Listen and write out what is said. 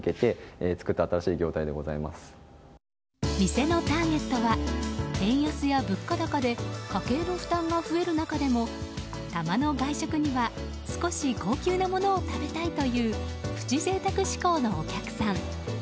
店のターゲットは円安や物価高で家計の負担が増える中でも玉の外食には少し高級なものを食べたいというプチ贅沢志向のお客さん。